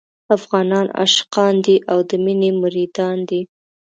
افغانان عاشقان دي او د مينې مريدان دي.